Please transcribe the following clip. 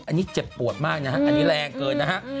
อันนี้เจ็บปวดมากนะฮะอันนี้แรงเกินนะฮะ